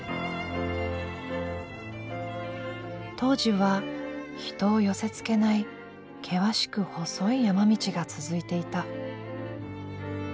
当時は人を寄せつけない険しく細い山道が続いていた。